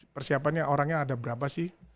persiapannya orangnya ada berapa sih